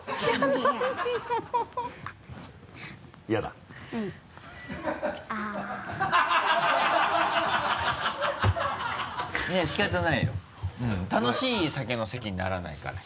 いや仕方ないの楽しい酒の席にならないから。